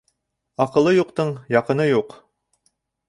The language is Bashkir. Аҡылы юҡтың яҡыны юҡ.